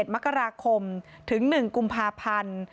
๑มกราคมถึง๑กุมภาพันธ์